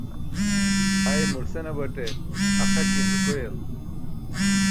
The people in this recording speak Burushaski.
Aymur senabate axakin dukoyal.